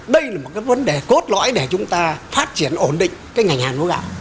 đây là một cái vấn đề cốt lõi để chúng ta phát triển ổn định cái ngành hàng lúa gạo